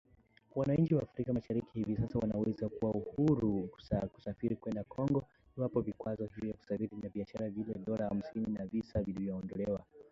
Wananchi wa Afrika Mashariki hivi sasa wanaweza kuwa huru kusafiri kwenda Kongo iwapo vikwazo vya kusafiri na biashara kama vile dola hamsini ya visa vimeondolewa.